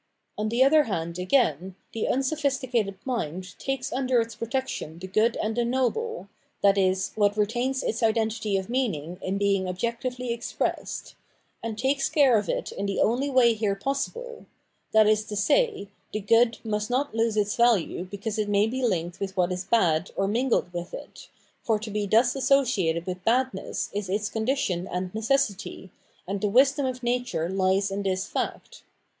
On the other hand, again, the unsophisti cated mind takes under its protection the good and the noble (i.e. what retains its identity of meaning in being objectively expressed), and takes care of it in the only way here possible — that is to say, the good must not lose its value because it may be linked with what is bad or mingled with it, for to be thus associated with badness is its condition and necessity, and the wisdom of nature lies in this fact.